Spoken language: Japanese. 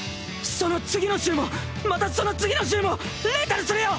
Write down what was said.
その次の週もまたその次の週もレンタルするよ！